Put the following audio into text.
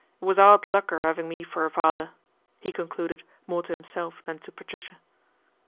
It was 'ard luck 'er iving me for a father," he concluded more to him elf than to Patricia.